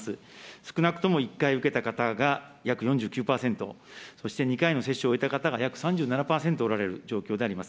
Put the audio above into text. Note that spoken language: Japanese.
少なくとも１回受けた方が約４９％、そして２回の接種を終えた方が、約３７％おられる状況であります。